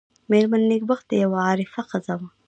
مېرمن نېکبخته یوه عارفه ښځه وه.